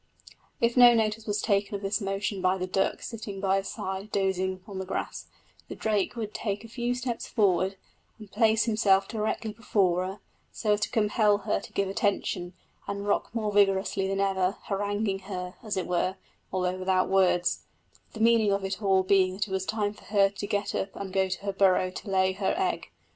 If no notice was taken of this motion by the duck sitting by his side dozing on the grass, the drake, would take a few steps forward and place himself directly before her, so as to compel her to give attention, and rock more vigorously than ever, haranguing her, as it were, although without words; the meaning of it all being that it was time for her to get up and go to her burrow to lay her egg.